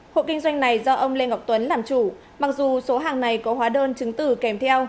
hộ kinh doanh này do ông lê ngọc tuấn làm chủ mặc dù số hàng này có hóa đơn chứng tử kèm theo